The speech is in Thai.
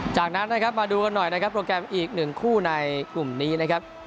จากนั้นนะครับมาดูกันหน่อยนะครับโปรแกรมอีกหนึ่งคู่ในกลุ่มนี้นะครับ